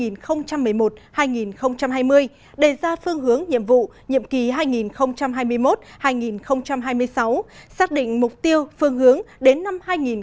năm hai nghìn hai mươi đề ra phương hướng nhiệm vụ nhiệm ký hai nghìn hai mươi một hai nghìn hai mươi sáu xác định mục tiêu phương hướng đến năm hai nghìn ba mươi